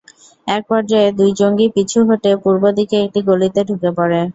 একপর্যায়ে দুই জঙ্গি পিছু হটে পূর্ব দিকে একটি গলিতে ঢুকে পড়ে।